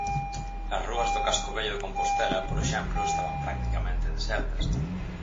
As rúas do casco vello de Compostela, por exemplo, estaban practicamente desertas.